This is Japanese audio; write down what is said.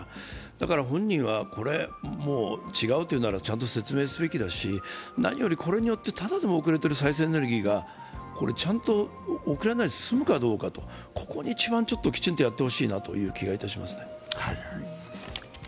だから本人は、違うというならちゃんと説明すべきだし、何よりこれによって、ただでも遅れている再生エネルギーが遅れないで進むかどうか、ここはきちんとやってほしいなという気がしますね。